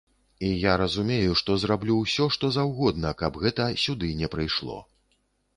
І я разумею, што зраблю ўсё, што заўгодна, каб гэта сюды не прыйшло.